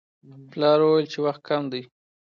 پلار وویل چې وخت کم دی.